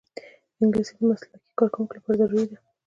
انګلیسي د مسلکي کارکوونکو لپاره ضروري ده